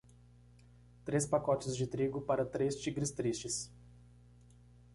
três pacotes de trigo para três tigres tristes